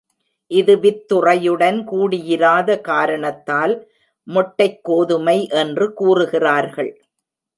இது வித்துறையுடன் கூடியிராத காரணத்தால் மொட்டைக் கோதுமை என்று கூறுகிறார்கள்.